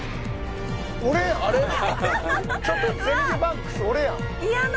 ちょっとゼニゲバンクス俺やん